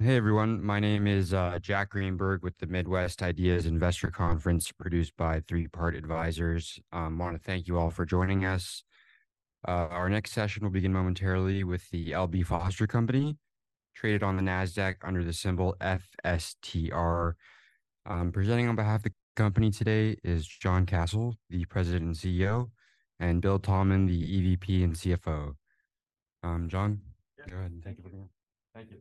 Hey, everyone. My name is Jack Greenberg with the Midwest IDEAS Investor Conference, produced by Three Part Advisors. I wanna thank you all for joining us. Our next session will begin momentarily with the L.B. Foster Company, traded on the NASDAQ under the symbol FSTR. Presenting on behalf of the company today is John Kasel, the President and CEO, and Bill Thalman, the EVP and CFO. John, go ahead and thank you for coming. Thank you.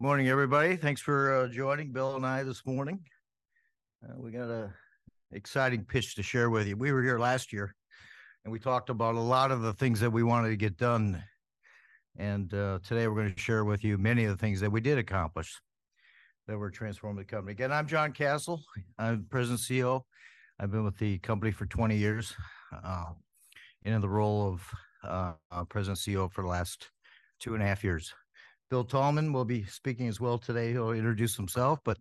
Morning, everybody. Thanks for joining, Bill and I this morning. We got a exciting pitch to share with you. We were here last year, and we talked about a lot of the things that we wanted to get done, and today we're gonna share with you many of the things that we did accomplish, that will transform the company. Again, I'm John Kasel. I'm President and CEO. I've been with the company for 20 years, and in the role of President and CEO for the last 2.5 years. Bill Thalman will be speaking as well today. He'll introduce himself, but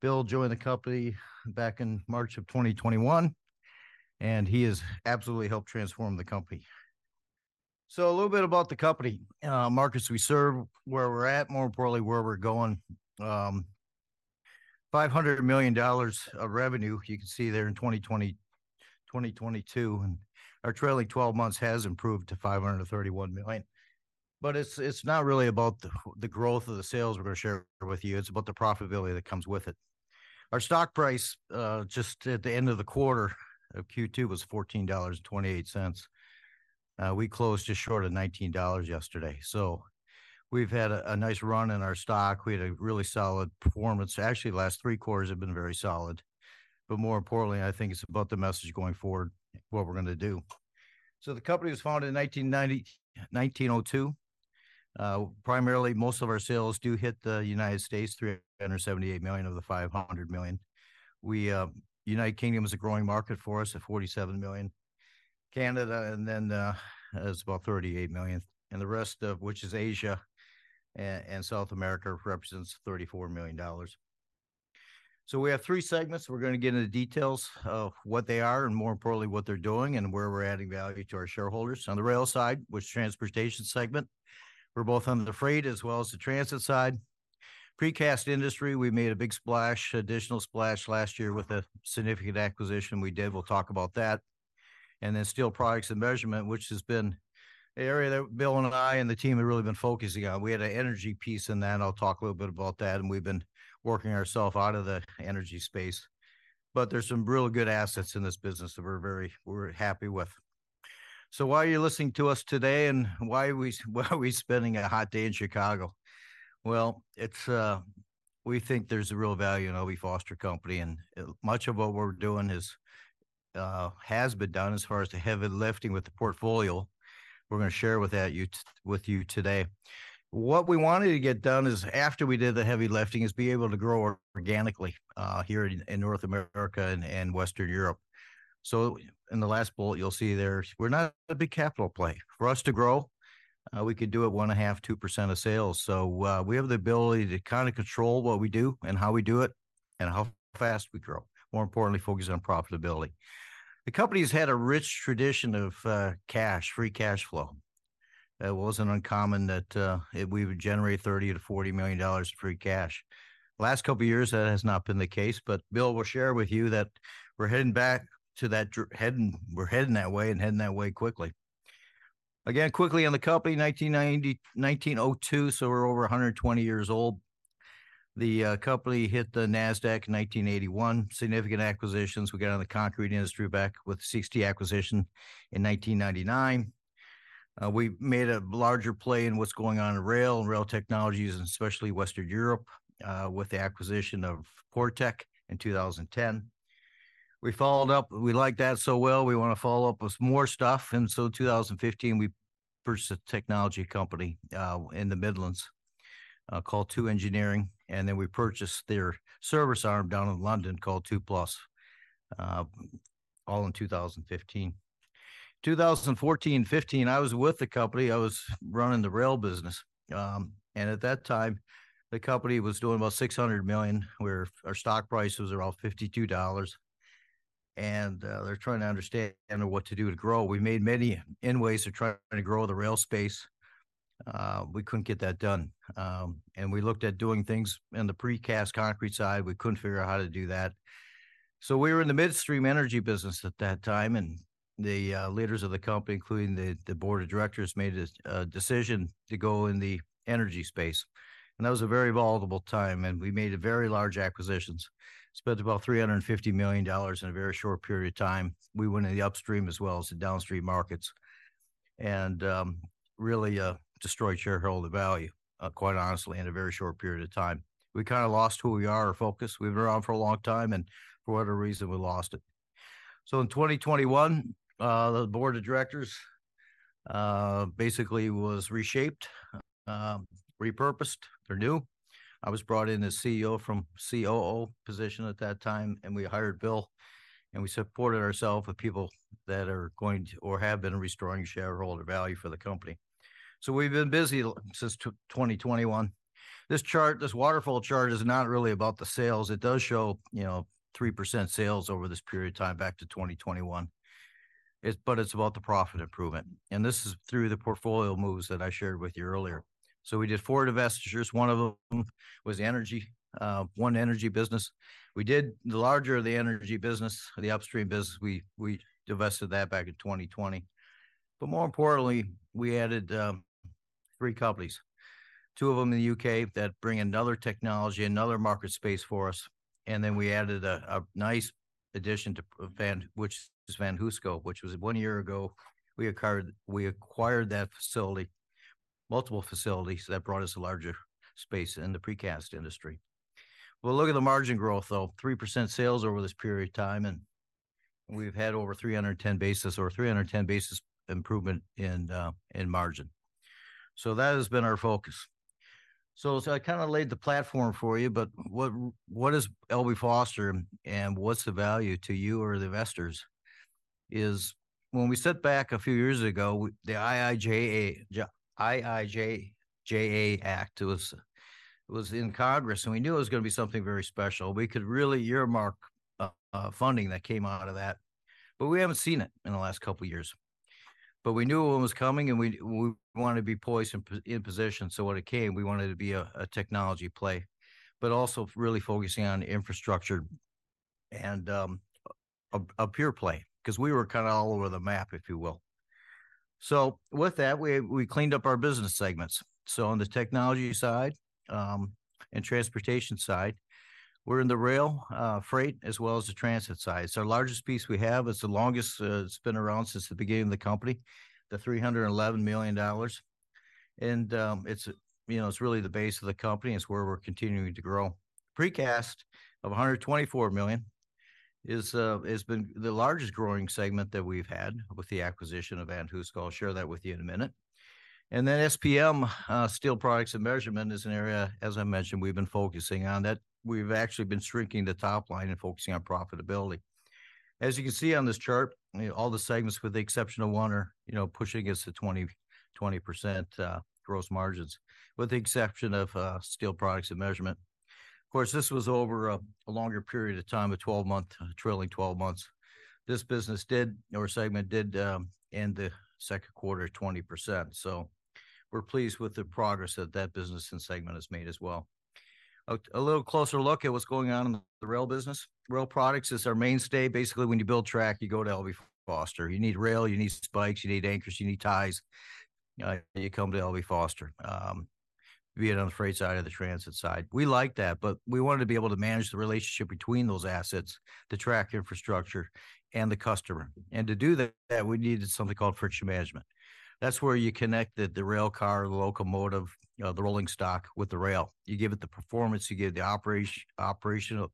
Bill joined the company back in March of 2021, and he has absolutely helped transform the company. A little bit about the company. Markets we serve, where we're at, more importantly, where we're going. $500 million of revenue, you can see there in 2020, 2022, and our trailing 12 months has improved to $531 million. It's, it's not really about the, the growth of the sales we're gonna share with you, it's about the profitability that comes with it. Our stock price, just at the end of the quarter, of Q2, was $14.28. We closed just short of $19 yesterday. We've had a, a nice run in our stock. We had a really solid performance. Actually, the last three quarters have been very solid, but more importantly, I think it's about the message going forward, what we're gonna do. The company was founded in 1902. Primarily, most of our sales do hit the United States, $378 million of the $500 million. We United Kingdom is a growing market for us, at $47 million. Canada, and then, is about $38 million, and the rest of which is Asia and South America, represents $34 million. We have three segments. We're gonna get into details of what they are, and more importantly, what they're doing, and where we're adding value to our shareholders. On the rail side, which is transportation segment, we're both on the freight as well as the transit side. Precast industry, we made a big splash, additional splash last year with a significant acquisition we did. We'll talk about that. Then Steel Products and Measurement, which has been an area that Bill and I and the team have really been focusing on. We had an energy piece in that, I'll talk a little bit about that, and we've been working ourselves out of the energy space. There's some real good assets in this business that we're happy with. Why are you listening to us today, and why are we spending a hot day in Chicago? Well, it's, we think there's a real value in L.B. Foster Company, and much of what we're doing is, has been done as far as the heavy lifting with the portfolio. We're gonna share with you today. What we wanted to get done is, after we did the heavy lifting, is be able to grow organically here in North America and Western Europe. In the last bullet, you'll see there, we're not a big capital play. For us to grow, we could do it 1.5%-2% of sales. We have the ability to kind of control what we do and how we do it and how fast we grow. More importantly, focused on profitability. The company's had a rich tradition of cash, free cash flow. It wasn't uncommon that we would generate $30 million-$40 million of free cash. Last couple of years, that has not been the case, but Bill Thalman will share with you that we're heading back to that, we're heading that way, and heading that way quickly. Again, quickly on the company, 1902, so we're over 120 years old. The company hit the NASDAQ in 1981. Significant acquisitions, we got on the concrete industry back with the CXT acquisition in 1999. We made a larger play in what's going on in rail and rail technologies, and especially Western Europe, with the acquisition of Portec in 2010. We followed up-- We liked that so well, we want to follow up with more stuff. 2015, we purchased a technology company in the Midlands, called TEW Engineering, and then we purchased their service arm down in London, called TEW Plus, all in 2015. 2014, '15, I was with the company. I was running the rail business. At that time, the company was doing about $600 million, where our stock price was around $52, and they're trying to understand what to do to grow. We made many end ways to try to grow the rail space. We couldn't get that done. We looked at doing things in the precast concrete side. We couldn't figure out how to do that. We were in the midstream energy business at that time, and the leaders of the company, including the board of directors, made a decision to go in the energy space. That was a very volatile time, and we made very large acquisitions, spent about $350 million in a very short period of time. We went in the upstream as well as the downstream markets, and really destroyed shareholder value, quite honestly, in a very short period of time. We kind of lost who we are, our focus. We've been around for a long time, and for whatever reason, we lost it. In 2021, the board of directors basically was reshaped, repurposed. They're new. I was brought in as CEO from COO position at that time, and we hired Bill, and we supported ourself with people that are going to or have been restoring shareholder value for the company. We've been busy since 2021. This chart, this waterfall chart is not really about the sales. It does show, you know, 3% sales over this period of time, back to 2021. It's about the profit improvement, and this is through the portfolio moves that I shared with you earlier. We did 4 divestitures. One of them was energy, 1 energy business. We did the larger of the energy business, the upstream business, we divested that back in 2020. More importantly, we added 3 companies, 2 of them in the U.K., that bring another technology, another market space for us. We added a nice addition to Van, which is VanHooseCo Precast, which was one year ago. We acquired that facility, multiple facilities, that brought us a larger space in the precast industry. Well, look at the margin growth, though, 3% sales over this period of time, and we've had over 310 basis or 310 basis improvement in margin. That has been our focus. I kinda laid the platform for you, but what is L.B. Foster, and what's the value to you or the investors? Is when we sat back a few years ago, the IIJA Act was in Congress, and we knew it was gonna be something very special. We could really earmark funding that came out of that, but we haven't seen it in the last couple years. We knew it was coming, and we, we wanted to be poised in position, so when it came, we wanted to be a technology play. Also really focusing on infrastructure and a pure play, 'cause we were kinda all over the map, if you will. With that, we, we cleaned up our business segments. On the technology side, and transportation side, we're in the rail freight, as well as the transit side. It's our largest piece we have. It's the longest, it's been around since the beginning of the company, the $311 million, and it's, you know, it's really the base of the company. It's where we're continuing to grow. Precast of $124 million has been the largest growing segment that we've had with the acquisition of VanHooseCo Precast. I'll share that with you in a minute. Then SPM, Steel Products and Measurement, is an area, as I mentioned, we've been focusing on. That we've actually been shrinking the top line and focusing on profitability. As you can see on this chart, you know, all the segments, with the exception of one, are, you know, pushing us to 20% gross margins, with the exception of Steel Products and Measurement. Of course, this was over a longer period of time, a 12-month, trailing 12 months. This business did, or segment did, in the second quarter, 20%. We're pleased with the progress that that business and segment has made as well. A, a little closer look at what's going on in the rail business. Rail products is our mainstay. Basically, when you build track, you go to L.B. Foster. You need rail, you need spikes, you need anchors, you need ties, you come to L.B. Foster, be it on the freight side or the transit side. We like that, but we wanted to be able to manage the relationship between those assets, the track infrastructure, and the customer. To do that, we needed something called friction management. That's where you connect the, the rail car, the locomotive, you know, the rolling stock with the rail. You give it the performance, you give the operational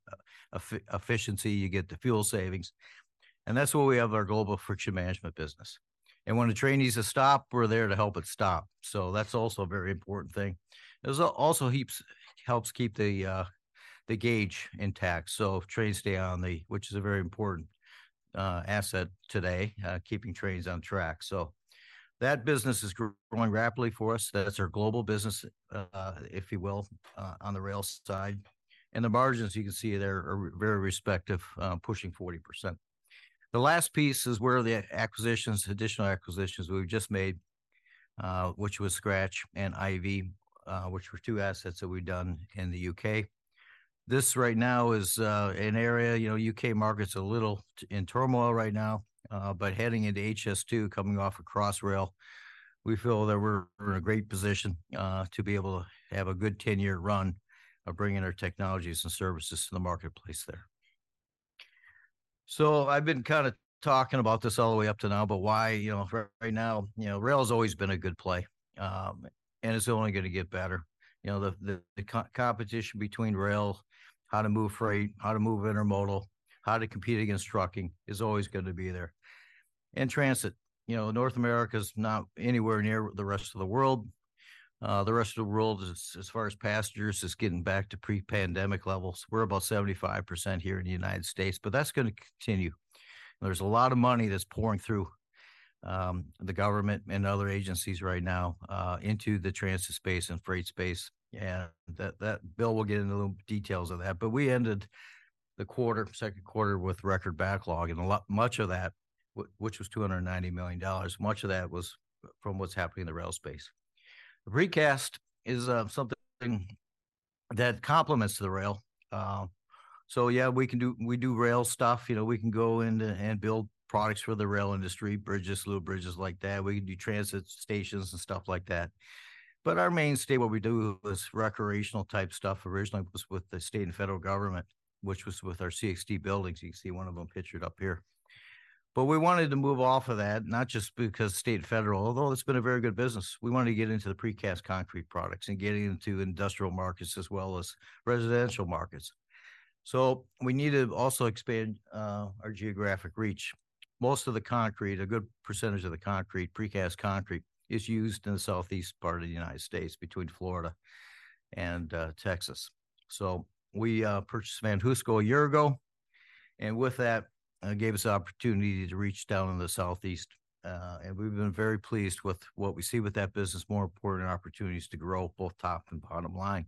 efficiency, you get the fuel savings. That's where we have our global friction management business. When a train needs to stop, we're there to help it stop, so that's also a very important thing. It also heaps, helps keep the gauge intact, so trains stay on the-- which is a very important asset today, keeping trains on track. That business is growing rapidly for us. That's our global business, if you will, on the rail side. The margins, you can see they're, are very respective, pushing 40%. The last piece is where the acquisitions, additional acquisitions we've just made, which was Skratch and IV, which were two assets that we've done in the U.K.. This right now is an area, you know, U.K. market's a little in turmoil right now, but heading into HS2, coming off a Crossrail, we feel that we're in a great position to be able to have a good ten-year run of bringing our technologies and services to the marketplace there. I've been kinda talking about this all the way up to now, but why, you know, right now, you know, rail's always been a good play. It's only gonna get better. You know, the, the competition between rail, how to move freight, how to move intermodal, how to compete against trucking, is always going to be there. Transit, you know, North America's not anywhere near the rest of the world. The rest of the world as, as far as passengers, is getting back to pre-pandemic levels. We're about 75% here in the United States, but that's gonna continue. There's a lot of money that's pouring through, the government and other agencies right now, into the transit space and freight space, and that, that Bill will get into the details of that. We ended the quarter, second quarter with record backlog, and a lot, much of that, which was $290 million, much of that was from what's happening in the rail space. Precast is, something that complements the rail. So yeah, we can do, we do rail stuff. You know, we can go in and build products for the rail industry, bridges, little bridges like that. We can do transit stations and stuff like that. Our mainstay, what we do, is recreational-type stuff. Originally, it was with the state and federal government, which was with our CXT buildings. You can see one of them pictured up here. We wanted to move off of that, not just because state and federal, although it's been a very good business. We wanted to get into the precast concrete products and get into industrial markets as well as residential markets. We need to also expand our geographic reach. Most of the concrete, a good percentage of the concrete, precast concrete, is used in the southeast part of the United States, between Florida and Texas. We purchased VanHooseCo Precast a year ago, and with that gave us the opportunity to reach down in the southeast. We've been very pleased with what we see with that business, more important opportunities to grow both top and bottom line.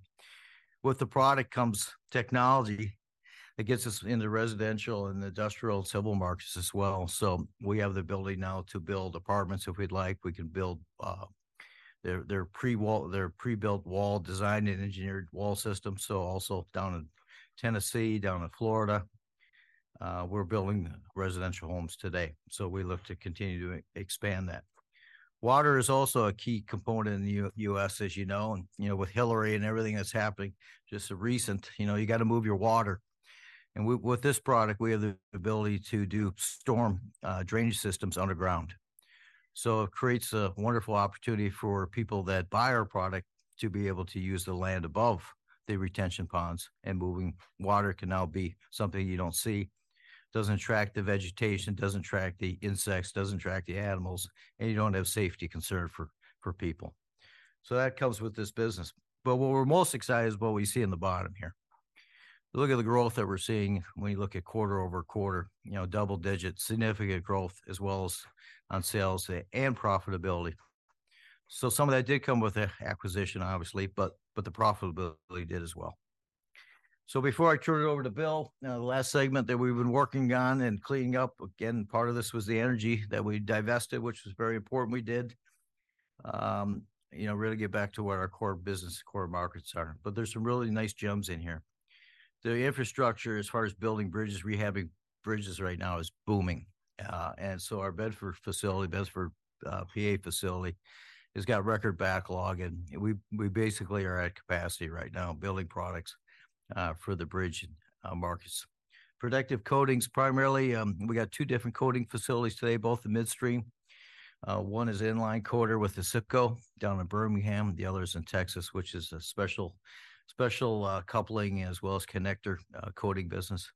With the product comes technology that gets us into residential and industrial civil markets as well. We have the ability now to build apartments if we'd like. We can build. They're pre-built wall, designed and engineered wall systems. Also down in Tennessee, down in Florida, we're building residential homes today. We look to continue to expand that. Water is also a key component in the U.S., as you know, and, you know, with Hilary and everything that's happening just recent, you know, you gotta move your water. With this product, we have the ability to do storm drainage systems underground. It creates a wonderful opportunity for people that buy our product to be able to use the land above the retention ponds, and moving water can now be something you don't see. Doesn't attract the vegetation, doesn't attract the insects, doesn't attract the animals, and you don't have safety concern for, for people. That comes with this business. What we're most excited is what we see in the bottom here. Look at the growth that we're seeing when you look at quarter-over-quarter, you know, double digit, significant growth, as well as on sales and profitability. Some of that did come with the acquisition, obviously, but the profitability did as well. Before I turn it over to Bill, the last segment that we've been working on and cleaning up, again, part of this was the energy that we divested, which was very important we did. You know, really get back to what our core business, core markets are. There's some really nice gems in here. , as far as building bridges, rehabbing bridges right now, is booming. Our Bedford facility, Bedford, PA facility, has got record backlog, and we, we basically are at capacity right now, building products for the bridge markets. Protective coatings, primarily, we got two different coating facilities today, both in midstream. One is in-line coater with the CIPCO down in Birmingham. The other is in Texas, which is a special, special coupling as well as connector coating business.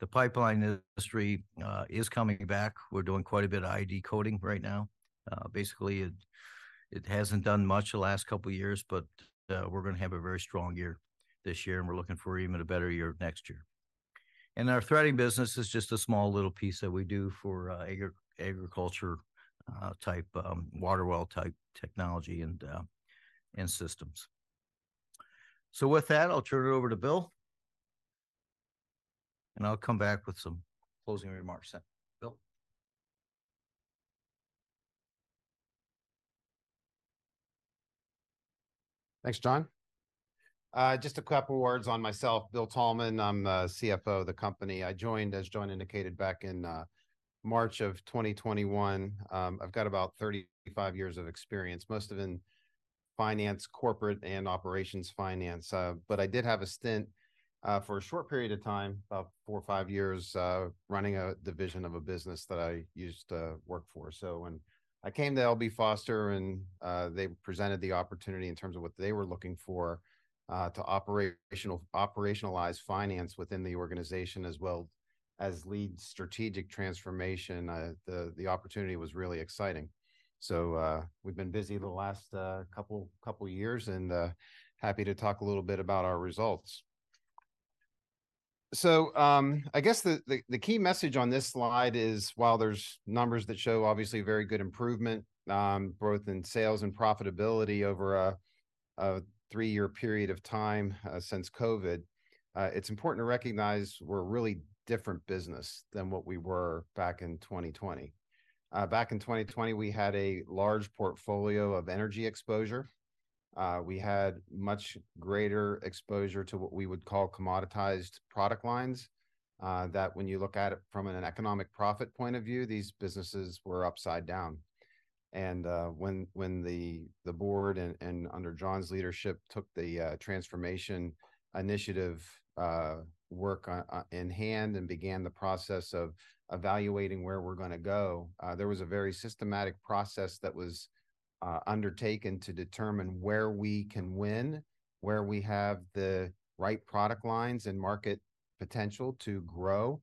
The pipeline industry is coming back. We're doing quite a bit of ID coating right now. Basically, it, it hasn't done much the last couple of years, but we're gonna have a very strong year this year, and we're looking for even a better year next year. Our threading business is just a small little piece that we do for, agriculture, type, water well-type technology and, and systems. With that, I'll turn it over to Bill, and I'll come back with some closing remarks then. Bill? Thanks, John. Just a couple words on myself. Bill Talman, I'm the CFO of the company. I joined, as John indicated, back in March of 2021. I've got about 35 years of experience, most of it in finance, corporate and operations finance. I did have a stint for a short period of time, about 4 or 5 years, running a division of a business that I used to work for. When I came to L.B. Foster and they presented the opportunity in terms of what they were looking for, to operationalize finance within the organization, as well as lead strategic transformation, the opportunity was really exciting. We've been busy the last couple years, and happy to talk a little bit about our results. I guess the, the, the key message on this slide is, while there's numbers that show obviously very good improvement, both in sales and profitability over a 3-year period of time, since COVID, it's important to recognize we're a really different business than what we were back in 2020. Back in 2020, we had a large portfolio of energy exposure. We had much greater exposure to what we would call commoditized product lines, that when you look at it from an economic profit point of view, these businesses were upside down. When, when the, the board, and, and under John's leadership, took the transformation initiative work in hand and began the process of evaluating where we're gonna go, there was a very systematic process that was undertaken to determine where we can win, where we have the right product lines and market potential to grow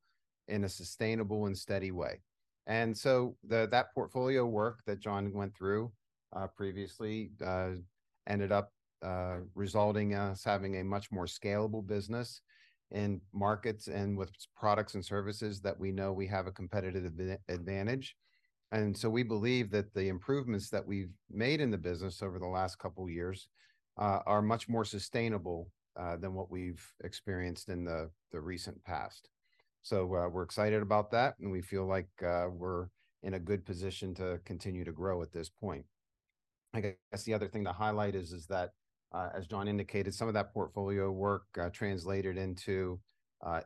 in a sustainable and steady way. That portfolio work that John went through previously ended up resulting in us having a much more scalable business in markets and with products and services that we know we have a competitive advantage. We believe that the improvements that we've made in the business over the last couple of years are much more sustainable than what we've experienced in the recent past. We're excited about that, and we feel like we're in a good position to continue to grow at this point. I guess the other thing to highlight is that as John indicated, some of that portfolio work translated into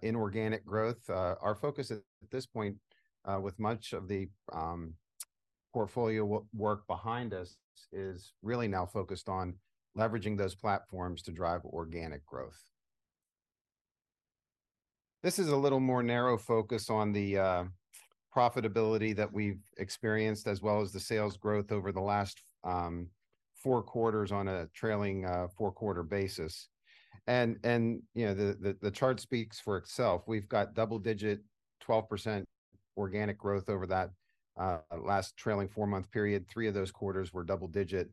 inorganic growth. Our focus at this point, with much of the portfolio work behind us, is really now focused on leveraging those platforms to drive organic growth. This is a little more narrow focus on the profitability that we've experienced, as well as the sales growth over the last four quarters on a trailing four-quarter basis. You know, the chart speaks for itself. We've got double digit 12% organic growth over that last trailing four-month period. Three of those quarters were double digit,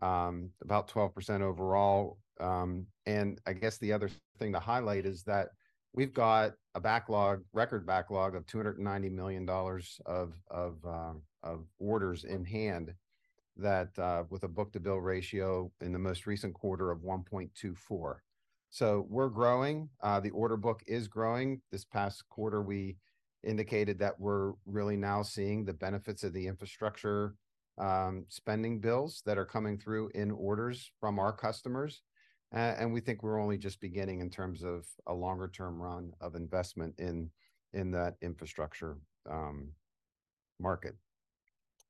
about 12% overall. I guess the other thing to highlight is that we've got a backlog, record backlog of $290 million of orders in hand that with a book-to-bill ratio in the most recent quarter of 1.24. We're growing, the order book is growing. This past quarter, we indicated that we're really now seeing the benefits of the infrastructure spending bills that are coming through in orders from our customers. We think we're only just beginning in terms of a longer-term run of investment in that infrastructure market.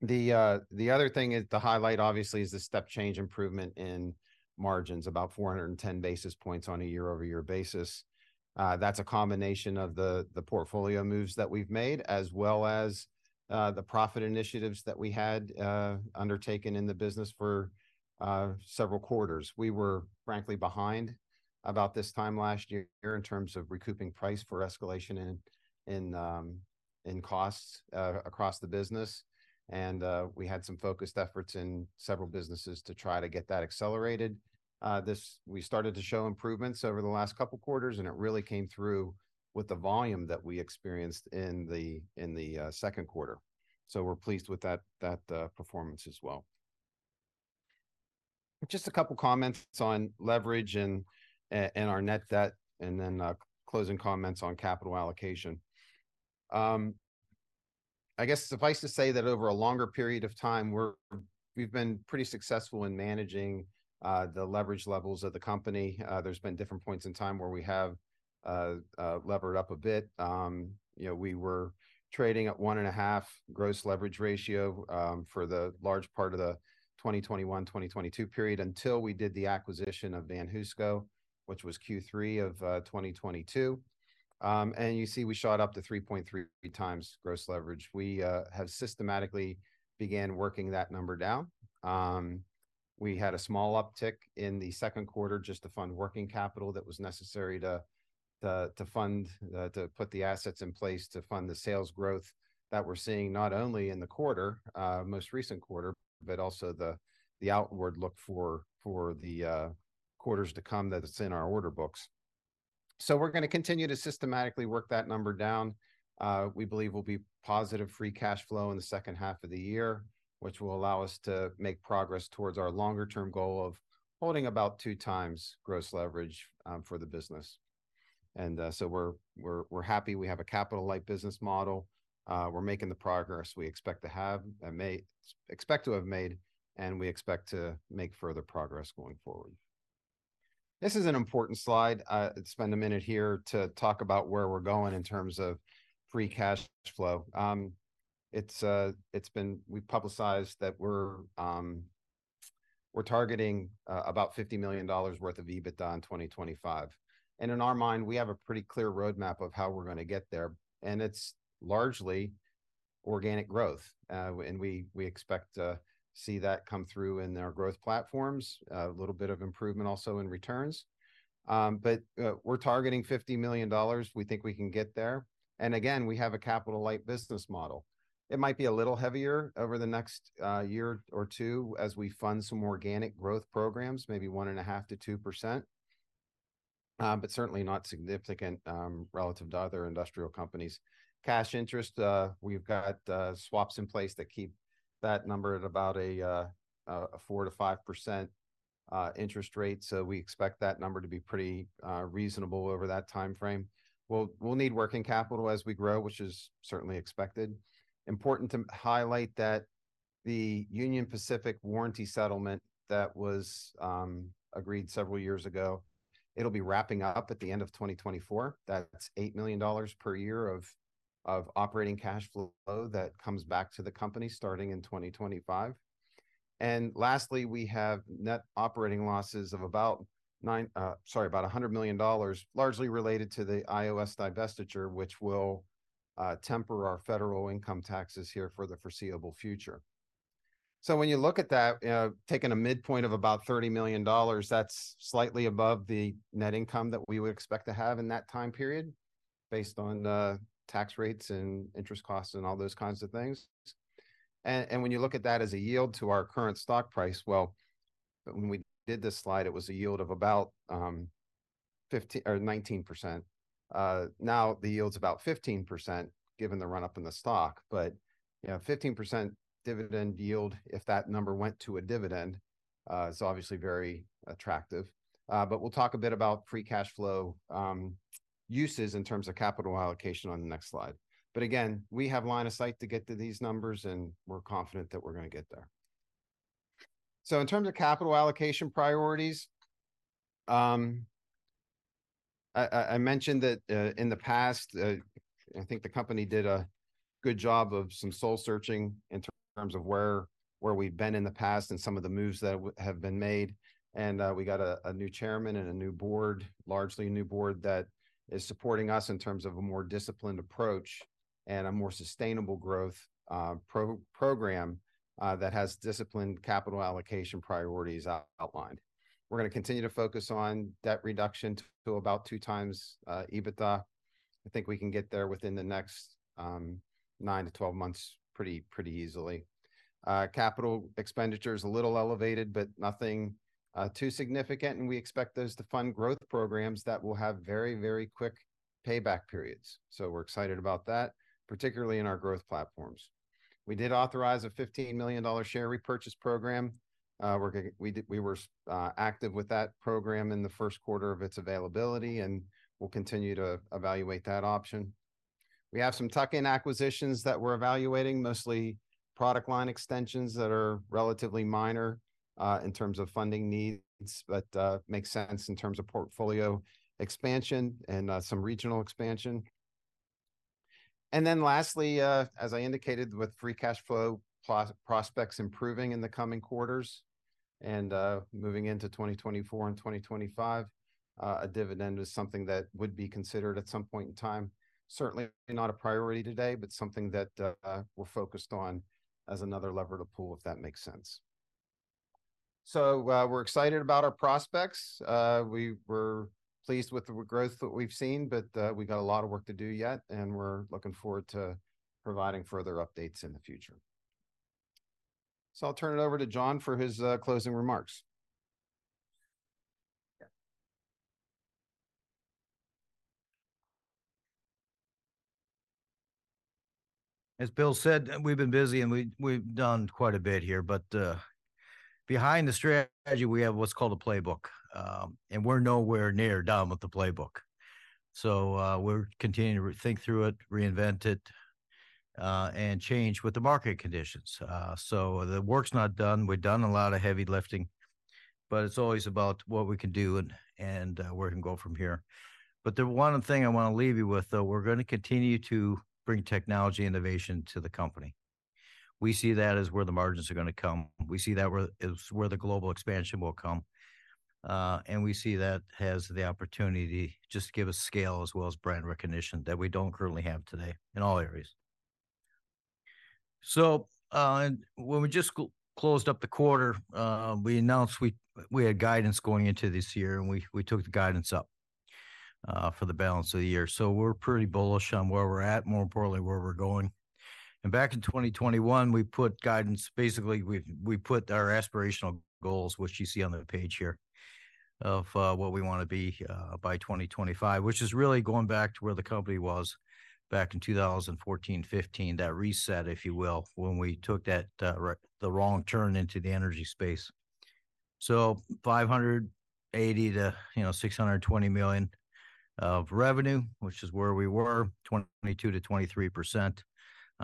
The other thing is to highlight, obviously, is the step change improvement in margins, about 410 basis points on a year-over-year basis. That's a combination of the, the portfolio moves that we've made, as well as the profit initiatives that we had undertaken in the business for several quarters. We were frankly behind about this time last year in terms of recouping price for escalation in, in costs across the business. We had some focused efforts in several businesses to try to get that accelerated. We started to show improvements over the last couple quarters, and it really came through with the volume that we experienced in the, in the second quarter. We're pleased with that, that performance as well. Just a couple comments on leverage and our net debt, and then closing comments on capital allocation. I guess suffice to say that over a longer period of time, we've been pretty successful in managing the leverage levels of the company. There's been different points in time where we have levered up a bit. You know, we were trading at 1.5 gross leverage ratio for the large part of the 2021, 2022 period, until we did the acquisition of VanHooseCo Precast, which was Q3 of 2022. You see, we shot up to 3.3 times gross leverage. We have systematically began working that number down. We had a small uptick in the second quarter, just to fund working capital that was necessary to, to, to fund, to put the assets in place, to fund the sales growth that we're seeing, not only in the quarter, most recent quarter, but also the, the outward look for the quarters to come that it's in our order books. We're gonna continue to systematically work that number down. We believe we'll be positive free cash flow in the second half of the year, which will allow us to make progress towards our longer-term goal of holding about 2 times gross leverage for the business. We're, we're, we're happy. We have a capital-light business model. We're making the progress we expect to have, and expect to have made, and we expect to make further progress going forward. This is an important slide. Let's spend a minute here to talk about where we're going in terms of free cash flow. It's, it's been- we've publicized that we're, we're targeting about $50 million worth of EBITDA in 2025. In our mind, we have a pretty clear roadmap of how we're gonna get there, and it's largely organic growth. We, we expect to see that come through in our growth platforms. A little bit of improvement also in returns. We're targeting $50 million. We think we can get there. Again, we have a capital-light business model. It might be a little heavier over the next year or two as we fund some organic growth programs, maybe 1.5%-2%, but certainly not significant relative to other industrial companies. Cash interest, we've got swaps in place that keep that number at about a 4%-5% interest rate. We expect that number to be pretty reasonable over that timeframe. We'll, we'll need working capital as we grow, which is certainly expected. Important to highlight that the Union Pacific warranty settlement that was agreed several years ago, it'll be wrapping up at the end of 2024. That's $8 million per year of operating cash flow that comes back to the company, starting in 2025. Lastly, we have net operating losses of about sorry, about $100 million, largely related to the IOS divestiture, which will temper our federal income taxes here for the foreseeable future. When you look at that, taking a midpoint of about $30 million, that's slightly above the net income that we would expect to have in that time period, based on, tax rates and interest costs and all those kinds of things. When you look at that as a yield to our current stock price, well, when we did this slide, it was a yield of about, 19%. Now the yield's about 15%, given the run-up in the stock. You know, 15% dividend yield, if that number went to a dividend, is obviously very attractive. We'll talk a bit about free cash flow uses in terms of capital allocation on the next slide. Again, we have line of sight to get to these numbers, and we're confident that we're gonna get there. In terms of capital allocation priorities, I, I, I mentioned that in the past, I think the company did a good job of some soul searching in terms of where, where we've been in the past and some of the moves that have been made. We got a new chairman and a new board, largely a new board that is supporting us in terms of a more disciplined approach and a more sustainable growth program that has disciplined capital allocation priorities outlined. We're gonna continue to focus on debt reduction to about 2 times EBITDA. I think we can get there within the next 9-12 months, pretty, pretty easily. Capital expenditure is a little elevated, but nothing too significant. We expect those to fund growth programs that will have very, very quick payback periods. We're excited about that, particularly in our growth platforms. We did authorize a $15 million share repurchase program. We were active with that program in the first quarter of its availability. We'll continue to evaluate that option. We have some tuck-in acquisitions that we're evaluating, mostly product line extensions that are relatively minor in terms of funding needs, but makes sense in terms of portfolio expansion and some regional expansion. Then lastly, as I indicated, with free cash flow prospects improving in the coming quarters and moving into 2024 and 2025, a dividend is something that would be considered at some point in time. Certainly not a priority today, but something that we're focused on as another lever to pull, if that makes sense. We're excited about our prospects. We're pleased with the growth that we've seen, but we got a lot of work to do yet, and we're looking forward to providing further updates in the future. I'll turn it over to John for his closing remarks. As Bill said, we've been busy, and we, we've done quite a bit here. Behind the strategy, we have what's called a playbook, and we're nowhere near done with the playbook. We're continuing to think through it, reinvent it, and change with the market conditions. The work's not done. We've done a lot of heavy lifting, but it's always about what we can do and, and where we can go from here. The one thing I wanna leave you with, though, we're gonna continue to bring technology innovation to the company. We see that as where the margins are gonna come. We see that as where the global expansion will come. We see that has the opportunity to just give us scale as well as brand recognition that we don't currently have today in all areas. When we just closed up the quarter, we announced we, we had guidance going into this year, and we, we took the guidance up for the balance of the year. We're pretty bullish on where we're at, more importantly, where we're going. Back in 2021, we put guidance, basically, we, we put our aspirational goals, which you see on the page here, of what we wanna be by 2025, which is really going back to where the company was back in 2014, 2015. That reset, if you will, when we took that the wrong turn into the energy space. $580 million to, you know, $620 million of revenue, which is where we were. 22%-23%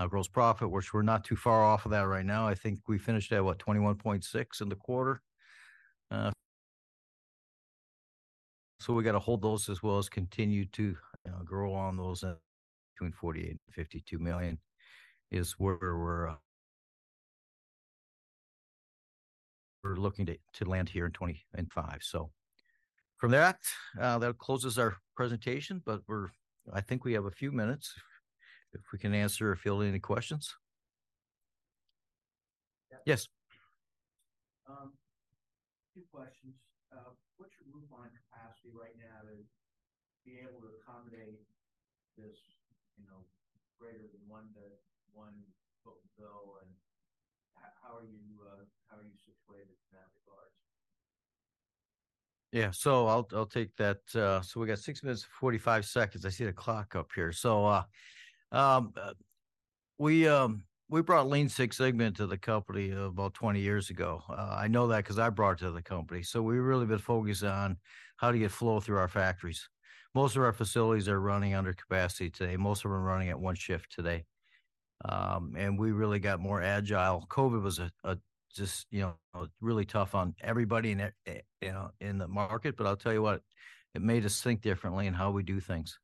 gross profit, which we're not too far off of that right now. I think we finished at, what, 21.6% in the quarter? We gotta hold those as well as continue to, you know, grow on those. Between $48 million and $52 million is where we're looking to, to land here in 2025. From that, that closes our presentation, but I think we have a few minutes if we can answer or field any questions. Yes? 2 questions. What's your move on capacity right now to be able to accommodate this, you know, greater than 1 to 1 bill? H- how are you, how are you situated in that regards? Yeah. I'll, I'll take that. We've got 6 minutes and 45 seconds. I see the clock up here. We brought Lean Six Sigma into the company about 20 years ago. I know that 'cause I brought it to the company. We've really been focused on how do you flow through our factories. Most of our facilities are running under capacity today. Most of them are running at 1 shift today. We really got more agile. COVID was just, you know, really tough on everybody in the market, but I'll tell you what, it made us think differently in how we do things.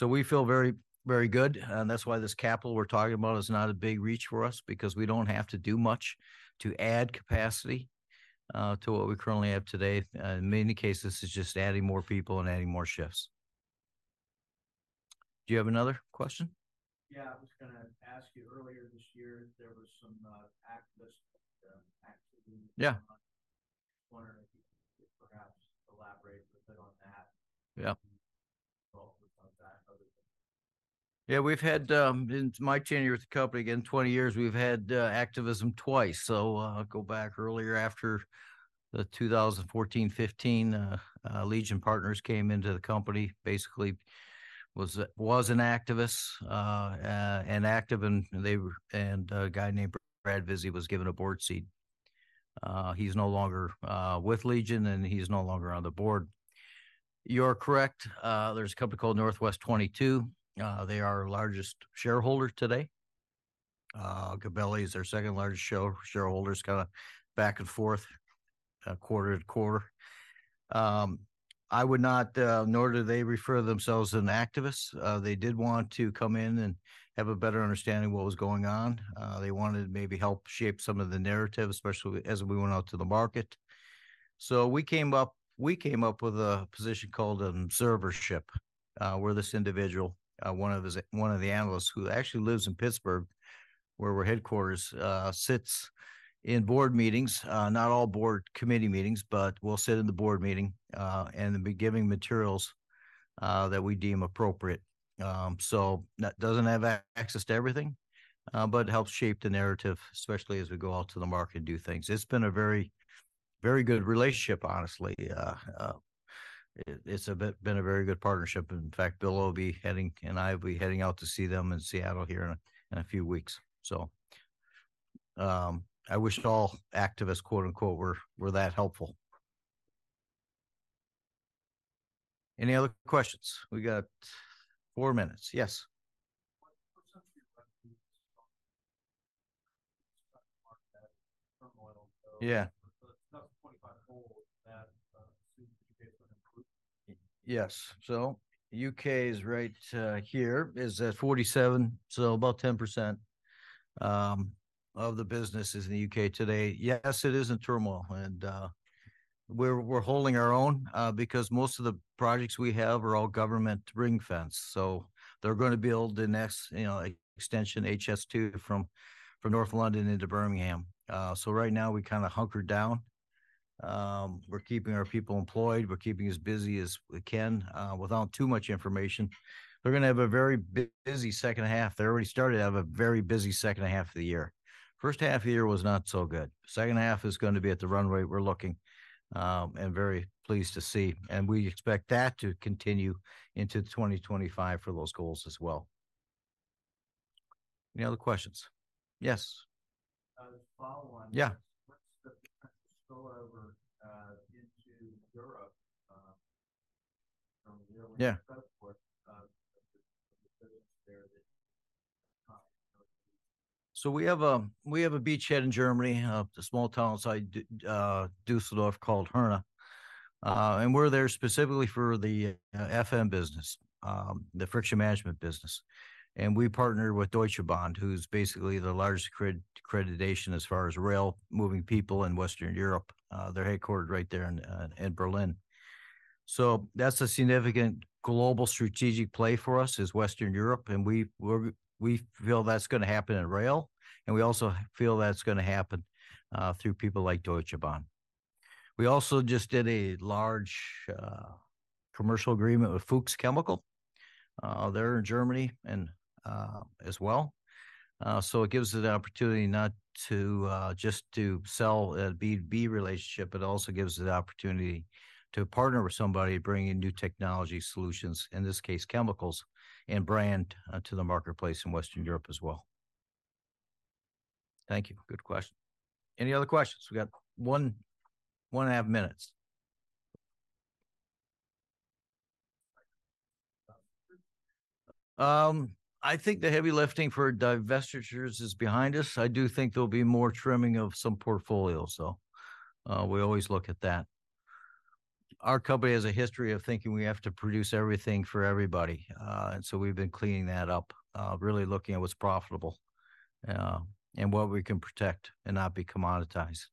We feel very, very good, and that's why this capital we're talking about is not a big reach for us, because we don't have to do much to add capacity to what we currently have today. In many cases, it's just adding more people and adding more shifts. Do you have another question? Yeah, I was gonna ask you, earlier this year, there was some activist activity. Yeah. I was wondering if you could perhaps elaborate a bit on that? Yeah. Yeah, we've had, in my tenure with the company, again, 20 years, we've had activism twice. I'll go back earlier after the 2014, 2015, Legion Partners came into the company. Basically was an activist, and active, and a guy named Bradley Vizi was given a board seat. He's no longer with Legion, and he's no longer on the board. You're correct, there's a company called 22NW, LP. They are our largest shareholder today. Gabelli is our second largest shareholder, kind of back and forth, quarter to quarter. I would not, nor do they refer themselves as an activist. They did want to come in and have a better understanding of what was going on. They wanted to maybe help shape some of the narrative, especially as we went out to the market. We came up, we came up with a position called an observership, where this individual, one of the, one of the analysts, who actually lives in Pittsburgh, where we're headquarters, sits in board meetings. Not all board committee meetings, but will sit in the board meeting, and then be giving materials that we deem appropriate. So not- doesn't have a- access to everything, but helps shape the narrative, especially as we go out to the market and do things. It's been a very, very good relationship, honestly. It, it's a been, been a very good partnership. In fact, Bill will be heading, and I will be heading out to see them in Seattle here in a, in a few weeks. I wish all activists, quote, unquote, "were, were that helpful." Any other questions? We got 4 minutes. Yes. What percentage of your revenue is from market turmoil? Yeah. About 25 goal that, to improve? Yes. U.K. is right here, is at 47, so about 10% of the business is in the U.K. today. Yes, it is in turmoil, we're holding our own because most of the projects we have are all government ring-fence. They're gonna build the next, you know, extension, HS2, from North London into Birmingham. Right now we're kinda hunkered down. We're keeping our people employed. We're keeping as busy as we can without too much information. We're gonna have a very busy second half. They already started to have a very busy second half of the year. First half of the year was not so good. Second half is gonna be at the runway we're looking and very pleased to see. We expect that to continue into 2025 for those goals as well. Any other questions? Yes. Follow on. Yeah. What's the spillover into Europe? Yeah... standpoint of there that? We have a, we have a beachhead in Germany, a small town outside Dusseldorf, called Herne. We're there specifically for the FM business, the friction management business. We partnered with Deutsche Bahn, who's basically the largest cred- accreditation as far as rail, moving people in Western Europe. They're headquartered right there in Berlin. That's a significant global strategic play for us, is Western Europe, and we, we're, we feel that's gonna happen in rail, and we also feel that's gonna happen through people like Deutsche Bahn. We also just did a large commercial agreement with FUCHS SE chemical there in Germany, and as well. It gives us the opportunity not to, just to sell a B2B relationship, but also gives the opportunity to partner with somebody, bring in new technology solutions, in this case, chemicals, and brand, to the marketplace in Western Europe as well. Thank you. Good question. Any other questions? We got 1, 1.5 minutes. I think the heavy lifting for divestitures is behind us. I do think there'll be more trimming of some portfolio, so we always look at that. Our company has a history of thinking we have to produce everything for everybody. We've been cleaning that up, really looking at what's profitable, and what we can protect and not be commoditized.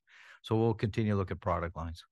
We'll continue to look at product lines.